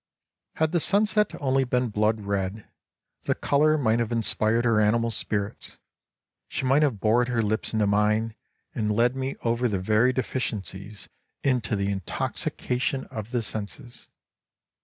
Had the sunset only been blood red, the color might have inspired her animal spirits, she might have bored her lips into mine, and led me over the very deficiencies into the in toxication of the senses